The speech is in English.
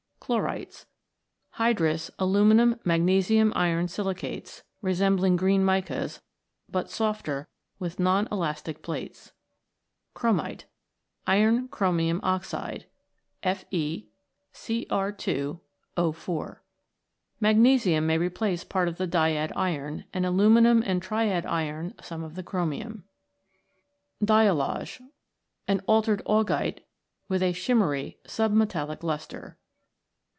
Chlorites. Hydrous aluminium magnesium iron silicates, re sembling green micas, but softer and with non elastic plates. Chromite. Iron chromium oxide, FeCr 2 O 4 . Magnesium may replace part of the dyad iron, and aluminium and triad iron some of the chromium. Diallage. An altered augite with a shimmery submetallic lustre.